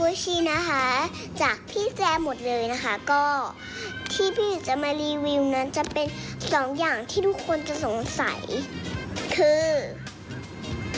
ตรงนี้นะคะพี่แสนดีจะมารีวิวซากูชินะคะ